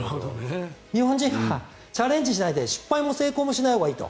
日本人はチャレンジしないで失敗も成功もしないほうがいいと。